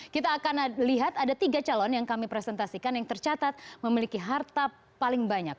kita akan lihat ada tiga calon yang kami presentasikan yang tercatat memiliki harta paling banyak